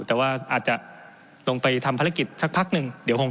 แต่ว่าอาจจะลงไปทำภารกิจสักพักหนึ่ง